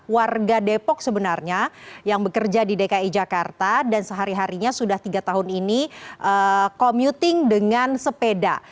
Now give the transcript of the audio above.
warga depok sebenarnya yang bekerja di dki jakarta dan sehari harinya sudah tiga tahun ini commuting dengan sepeda